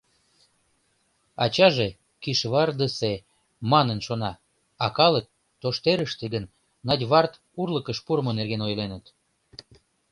Ачаже Кишвардысе манын шона, а Калык тоштерыште гын надьвард урлыкыш пурымо нерген ойленыт.